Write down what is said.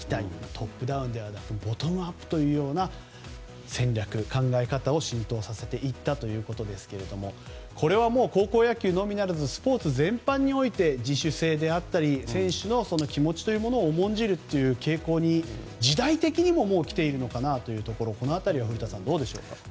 トップダウンではなくボトムアップという戦略、考え方を浸透させていったということですがこれは高校野球のみならずスポーツ全般において自主性や選手の気持ちを重んじるという傾向に、時代的にも来ているのかなという感じをこの辺りは古田さんどうでしょうか。